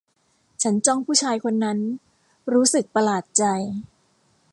ฉันจ้องผู้ชายคนนั้น รู้สึกประหลาดใจ